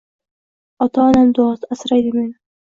Ota-onam duosi asraydi meni